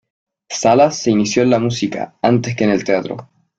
Salas se inició en la música, antes que en el teatro.